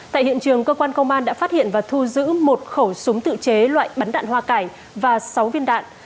tại hiện trường cơ quan công an đã phát hiện và thu giữ một khẩu súng tự chế loại bắn đạn hoa cải và sáu viên đạn